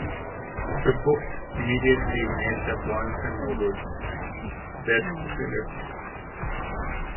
The book immediately made the Barnes and Noble's Best Sellers List.